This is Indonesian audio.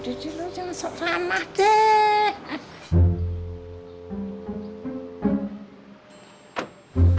udah dulu jangan sok ramah deh